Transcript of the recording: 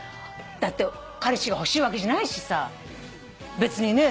だって彼氏が欲しいわけじゃないしさ別にね